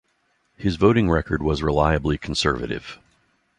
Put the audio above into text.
His voting record was reliably conservative.